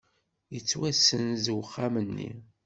Yettwasenz uxxam-nni.